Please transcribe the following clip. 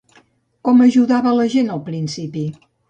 Com ajudava la gent al principi?